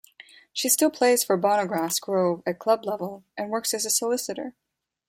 She still plays for Bonagrass Grove at club level and works as a solicitor.